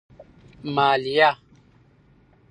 مالیه